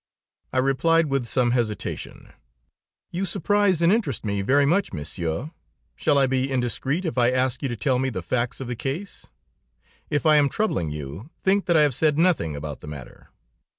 I replied with some hesitation: "You surprise and interest me very much, Monsieur. Shall I be indiscreet if I ask you to tell me the facts of the case? If I am troubling you, think that I have said nothing about the matter."